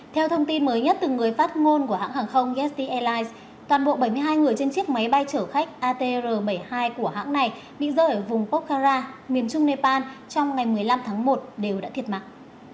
theo thông tin mới nhất từ người phát ngôn của hãng hàng không etti airlines toàn bộ bảy mươi hai người trên chiếc máy bay chở khách atr bảy mươi hai của hãng này bị rơi ở vùng pokhara miền trung nepal trong ngày một mươi năm tháng một đều đã thiệt mạng